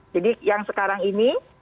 jadi yang sekarang ini